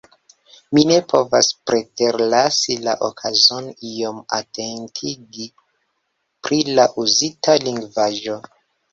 Mi ne povas preterlasi la okazon iom atentigi pri la uzita lingvaĵo.